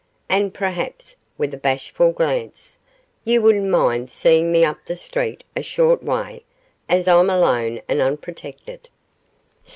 And perhaps,' with a bashful glance, 'you wouldn't mind seeing me up the street a short way, as I'm alone and unprotected.